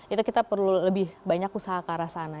itu kita perlu lebih banyak usaha ke arah sana